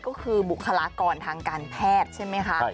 ก็คือบุคลากรทางการแพทย์ใช่ไหมคะ